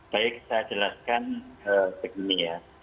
baik saya jelaskan begini ya